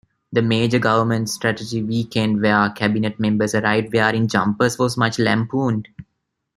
The Major government's strategy weekend where Cabinet members arrived wearing jumpers was much lampooned.